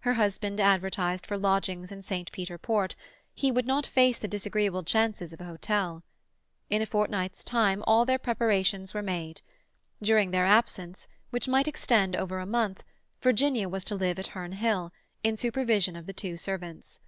Her husband advertised for lodgings in St. Peter Port; he would not face the disagreeable chances of a hotel. In a fortnight's time all their preparations were made. During their absence, which might extend over a month, Virginia was to live at Herne Hill, in supervision of the two servants.